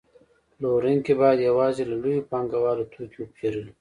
پلورونکي باید یوازې له لویو پانګوالو توکي پېرلی